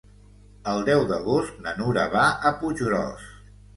El deu d'agost na Nura va a Puiggròs.